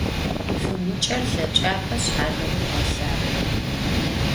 Fıguç'er lheç'ap'eşs, halığur ğelhap'e.